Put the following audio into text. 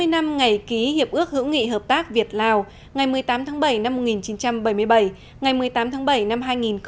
hai mươi năm ngày ký hiệp ước hữu nghị hợp tác việt lào ngày một mươi tám tháng bảy năm một nghìn chín trăm bảy mươi bảy ngày một mươi tám tháng bảy năm hai nghìn một mươi chín